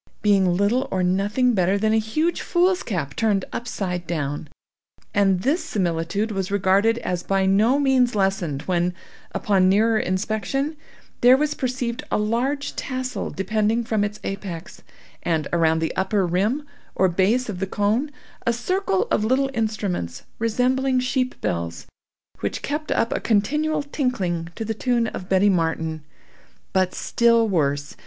Being little or nothing better than a huge foolscap turned upside down. And this similitude was regarded as by no means lessened when, upon nearer inspection, there was perceived a large tassel depending from its apex, and, around the upper rim or base of the cone, a circle of little instruments, resembling sheep bells, which kept up a continual tinkling to the tune of Betty Martin. But still worse.